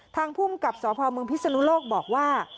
ทางภูมิกับสพเมืองพิศนุโลกบอกว่า